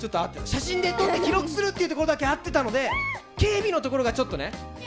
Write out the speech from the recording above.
写真で撮って記録するっていうところだけ合ってたので警備のところがちょっとね入ってなかったので。